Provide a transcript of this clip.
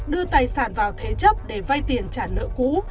đưa tài sản vào thế chấp để vay tiền trả nợ cũ